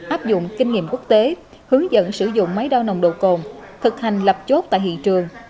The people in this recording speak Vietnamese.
áp dụng kinh nghiệm quốc tế hướng dẫn sử dụng máy đo nồng độ cồn thực hành lập chốt tại hiện trường